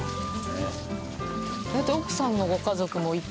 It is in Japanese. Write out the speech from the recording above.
だって奥さんのご家族もいて。